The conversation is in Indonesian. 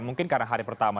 mungkin karena hari pertama